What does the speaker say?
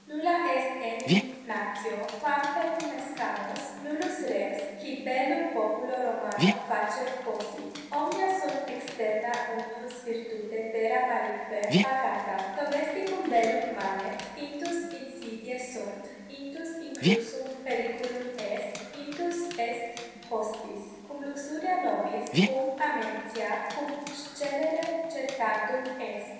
Nulla est enim natio, quam pertimescamus, nullus rex, qui bellum populo Romano facere possit; omnia sunt externa unius virtute terra marique pacata: domesticum bellum manet, intus insidiae sunt, intus inclusum periculum est, intus est hostis: cum luxuria nobis, cum amentia, cum scelere certandum est.